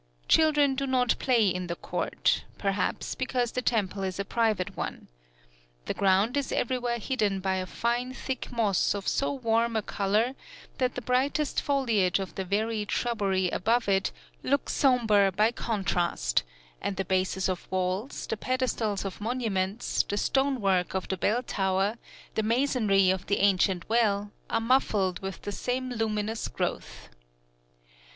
Children do not play in the court perhaps because the temple is a private one. The ground is everywhere hidden by a fine thick moss of so warm a color, that the brightest foliage of the varied shrubbery above it looks sombre by contrast; and the bases of walls, the pedestals of monuments, the stonework of the bell tower, the masonry of the ancient well, are muffled with the same luminous growth.